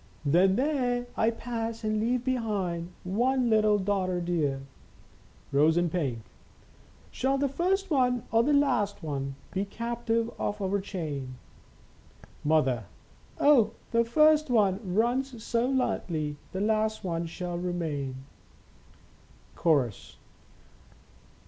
" Then here I pass and leave behind One little daughter dear." Rose and Pink. " Shall the first one or the last Be captive of our chain ?'' Mother. " Oh, the first one runs so lightly, The last one shall remain." Chorus.